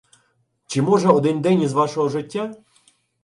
Чи може один день із вашого життя?